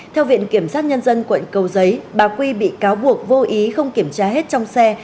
theo viện kiểm sát nhân dân quận cầu giấy bà quy bị cáo buộc vô ý không kiểm tra hết trong xe